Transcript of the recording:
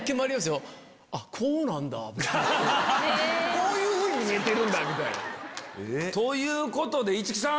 こういうふうに見えてるんだ！ということで市來さん。